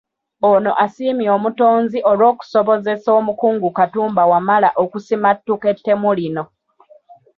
Ono asiimye Omutonzi olw'okusobozesa omukungu Katumba Wamala okusimattuka ettemu lino.